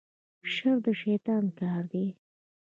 شر د شیطان کار دی